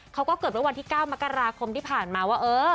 เขาก็เกิดตั้งแต่วันที่๙มกราคมที่ผ่านมาว่าเออ